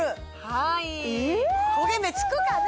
はい焦げ目つくかね？